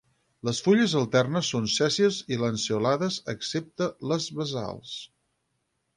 Les fulles alternes són sèssils i lanceolades excepte les basals.